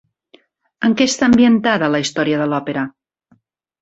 En què està ambientada la història de l'òpera?